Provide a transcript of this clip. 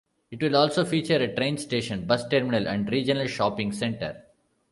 It will also feature a train station, bus terminal and regional shopping centre.